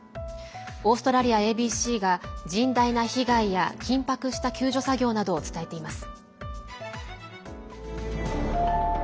オーストラリアＡＢＣが甚大な被害や緊迫した救助作業などを伝えています。